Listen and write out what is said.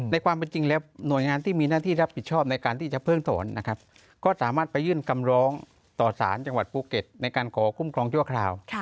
ความเป็นจริงแล้วหน่วยงานที่มีหน้าที่รับผิดชอบในการที่จะเพิ่งถอนนะครับก็สามารถไปยื่นคำร้องต่อสารจังหวัดภูเก็ตในการขอคุ้มครองชั่วคราว